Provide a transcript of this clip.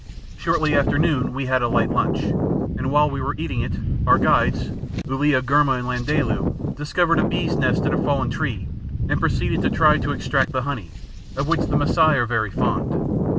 Shortly after noon we had a light lunch, and while we were eating it our guides, Uliagurma and Landaalu, discovered a bees' nest in a fallen tree and proceeded to try to extract the honey, of which the Masai are very fond.